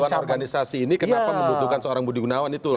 kebutuhan organisasi ini kenapa membutuhkan seorang budingunawan itu